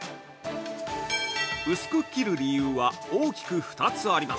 薄く切る理由は大きく２つあります。